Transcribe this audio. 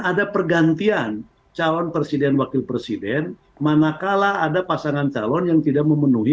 ada pergantian calon presiden wakil presiden manakala ada pasangan calon yang tidak memenuhi